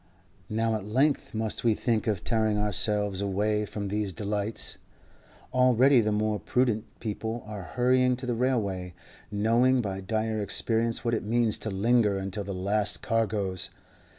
Now at length must we think of tearing ourselves away from these delights. Already the more prudent people are hurrying to the railway, knowing by dire experience what it means to linger until the last cargoes.